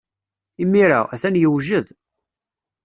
Imir-a, atan yewjed.